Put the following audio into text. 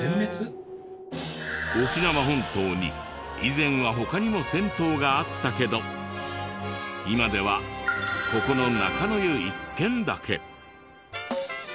沖縄本島に以前は他にも銭湯があったけど今ではここの中乃湯一軒だけ。